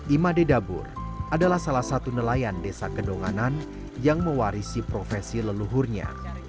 imade dabur adalah salah satu nelayan desa kedonganan yang mewarisi profesi leluhurnya